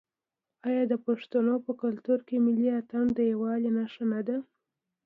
آیا د پښتنو په کلتور کې ملي اتن د یووالي نښه نه ده؟